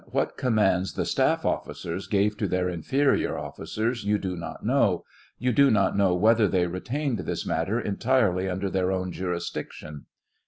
What commands the staff officers gave to their inferior officers, you do not know ; you do not know whether they retained this matter entirely under their own jurisdiction